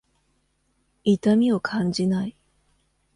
痛みを感じない。